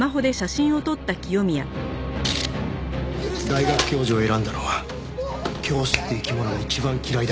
大学教授を選んだのは教師って生き物が一番嫌いだからだ。